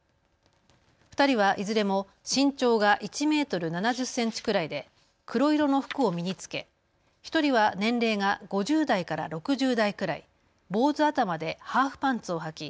２人はいずれも身長が１メートル７０センチくらいで黒色の服を身に着け１人は年齢が５０代から６０代くらい、坊主頭でハーフパンツをはき